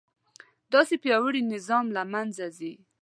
داسې پیاوړی نظام له منځه ځي.